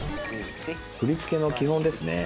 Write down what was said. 振り付けの基本ですね。